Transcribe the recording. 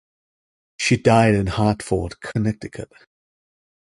She died in Hartford, Connecticut.